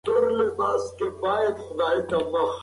د شاعرانو لمانځنه زموږ د ولس د بیدارۍ او پوهې نښه ده.